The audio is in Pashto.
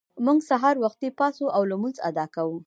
موږ سهار وختي پاڅو او لمونځ ادا کوو